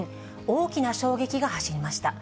大きな衝撃が走りました。